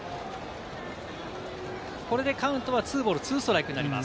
これでカウントは２ボール２ストライクになります。